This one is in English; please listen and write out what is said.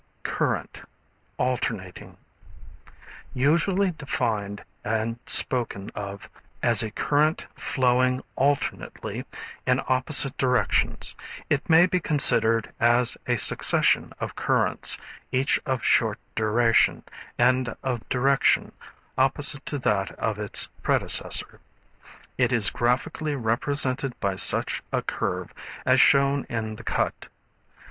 Current, Alternating. Usually defined and spoken of as a current flowing alternately in opposite directions. It may be considered as a succession of currents, each of short duration and of direction opposite to that of its predecessor. It is graphically represented by such a curve as shown in the cut.